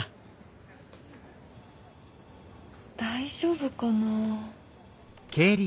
大丈夫かな？